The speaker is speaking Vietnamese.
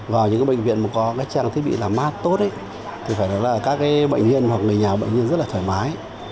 vào những bệnh viện có trang thiết bị làm mát tốt thì phải nói là các bệnh viện hoặc người nhà bệnh nhân rất là thoải mái